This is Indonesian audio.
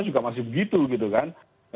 juga masih begitu gitu kan